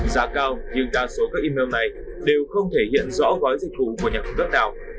giá cao nhưng đa số các emai này đều không thể hiện rõ gói dịch vụ của nhà cung cấp nào